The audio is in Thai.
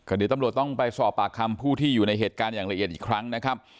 ดีตำรวจต้องไปสอบปากคำผู้ที่อยู่ในเหตุการณ์อย่างละเอียดอีกครั้งนะครับ